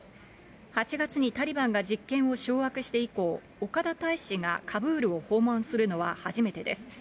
８月にタリバンが実権を掌握して以降、岡田大使がカブールを訪問するのは初めてです。